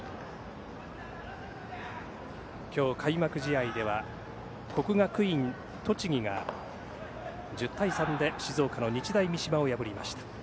今日、開幕試合では国学院栃木が１０対３で静岡の日大三島を破りました。